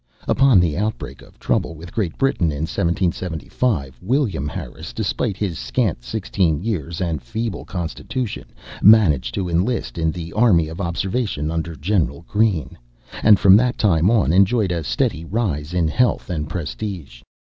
Upon the outbreak of trouble with Great Britain in 1775, William Harris, despite his scant sixteen years and feeble constitution, managed to enlist in the Army of Observation under General Greene; and from that time on enjoyed a steady rise in health and prestige.